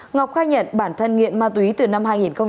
ngọc khai nhận bản thân nghiện ma túy từ năm hai nghìn một mươi